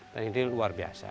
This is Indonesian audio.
dan ini luar biasa